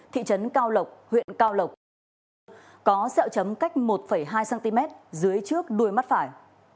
thị trấn cao lộc huyện cao lộc có xeo chấm cách một hai cm dưới trước đuôi mắt phải